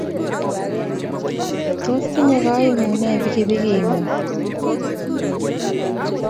Tos tinyei kaimut ne pikipikingúng?